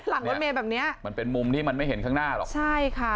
หลังรถเมย์แบบเนี้ยมันเป็นมุมที่มันไม่เห็นข้างหน้าหรอกใช่ค่ะ